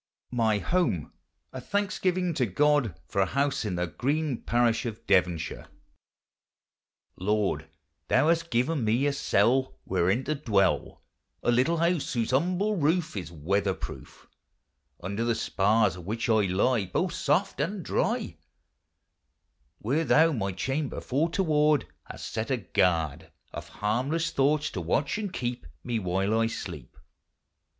MY HOME. A THANKSGIVING TO GOD FOR A HOUSE IN THE GREEN PARISH OF DEVONSHIRE. Lord, thou hast given me a cell Wherein to dwell, A little house, whose humble roof Is weather proof; Under the sparres of which I lie, Both soft and drie; SABBATH: WORSHIP: CREED. 247 Where thou, my chamber for to ward, I last set a guard Of harmlesse thoughts, to watch and keep Me while I sleep.